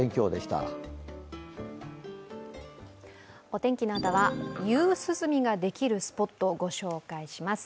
お天気のあとは夕涼みができるスポットをご紹介します。